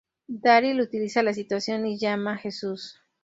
Daryl utiliza la situación y llama a Jesús.